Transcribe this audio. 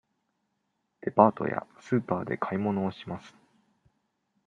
デパートやスーパーで買い物をします。